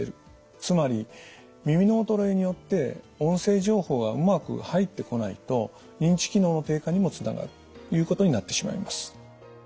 つまり耳の衰えによって音声情報がうまく入ってこないと認知機能の低下にもつながるということになってしまいます。